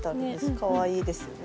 かわいいですよね。